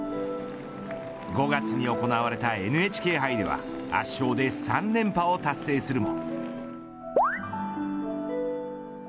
５月に行われたＮＨＫ杯では圧勝で３連覇を達成するも。